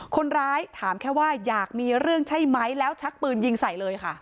คนร้ายถามแค่ว่าอยากมีเรื่องใช่ไหมแล้วชักปืนยิงใส่เลยค่ะ